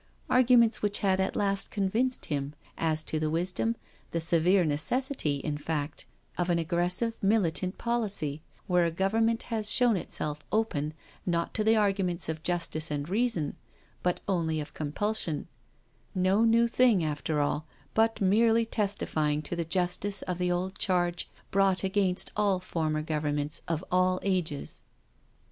Arguments which had at last convinced him as to the wisdom, the severe necessity, in fact, of an aggressive militant policy, where a Government has shown itself open, not to the arguments of justice and reason, but only of compulsion; no new thing after all, but merely testi fying to the justice of the old charge brought against all former Governments of all ages.